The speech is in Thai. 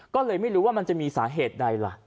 ก็เลยไม่รู้ว่ามันจะมีสาเหตุใดล่ะ